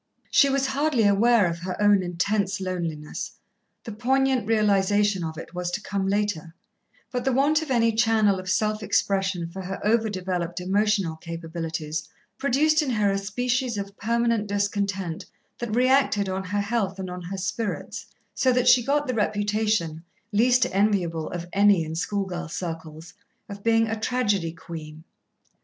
She was hardly aware of her own intense loneliness the poignant realization of it was to come later but the want of any channel of self expression for her over developed emotional capabilities produced in her a species of permanent discontent that reacted on her health and on her spirits, so that she got the reputation, least enviable of any in schoolgirl circles, of being "a tragedy queen."